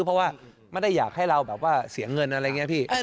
เพราะว่าไม่ได้อยากให้เราแบบว่าเสียเงินอะไรอย่างนี้พี่